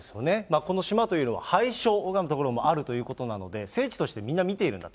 この島というのは、拝所、拝む所もあるということなんで、聖地としてみんな見ているんだと。